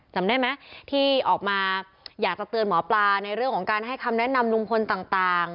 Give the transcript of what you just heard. จำได้ไหมที่ออกมาอยากจะเตือนหมอปลาในเรื่องของการให้คำแนะนำลุงพลต่าง